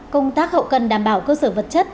công tác hậu cần đảm bảo cơ sở vật chất